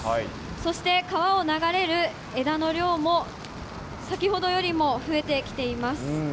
そして川を流れる枝の量も先ほどよりも増えてきています。